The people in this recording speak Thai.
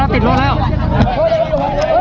สวัสดีครับทุกคน